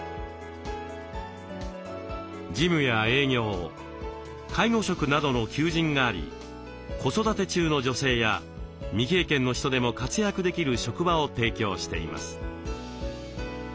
事務や営業介護職などの求人があり子育て中の女性や未経験の人でも活躍できる職場を提供しています。